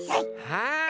はい。